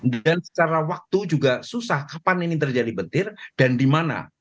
dan secara waktu juga susah kapan ini terjadi petir dan dimana